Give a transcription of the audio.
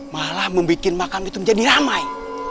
malah membuat makam itu menjadi ramai